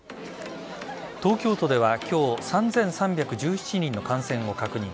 東京都では今日３３１７人の感染を確認。